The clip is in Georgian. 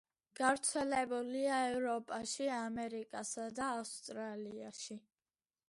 გავრცელებულია ევროპაში, ამერიკასა და ავსტრალიაში.